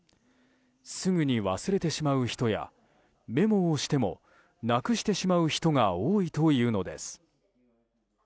すぐに忘れてしまう人やメモをしてもなくしてしまう人が多いというのです。